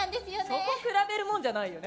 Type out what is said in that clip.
そこ比べるもんじゃないよね。